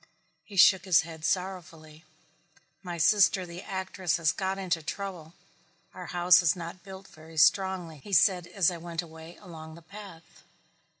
He shook his head sorrowfully. "My sister the actress has got into trouble. Our house is not built very strongly," he said as I went away along the path.